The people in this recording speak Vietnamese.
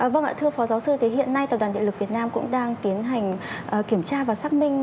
vâng ạ thưa phó giáo sư thì hiện nay tập đoàn địa lực việt nam cũng đang tiến hành kiểm tra và xác minh